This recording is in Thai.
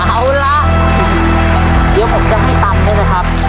เอาล่ะเดี๋ยวผมจะให้ตำให้นะครับ